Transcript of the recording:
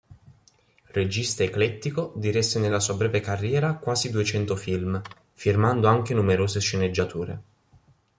Regista eclettico, diresse nella sua breve carriera quasi duecento film, firmando anche numerose sceneggiature.